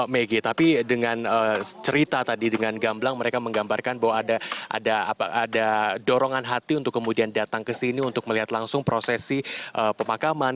megi tapi dengan cerita tadi dengan gamblang mereka menggambarkan bahwa ada dorongan hati untuk kemudian datang ke sini untuk melihat langsung prosesi pemakaman